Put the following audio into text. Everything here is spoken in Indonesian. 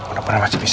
udah pernah masih bisa